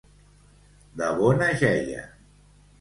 De bona jeia.